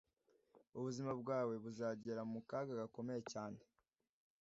Ubuzima bwawe buzagera mu kaga gakomeye cyane,